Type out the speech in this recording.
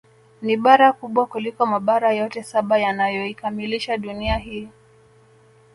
Ni bara kubwa kuliko Mabara yote saba yanayoikamilisha Dunia hii